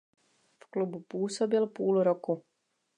V klubu působil půl roku.